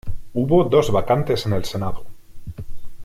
Hubo dos vacantes en el Senado.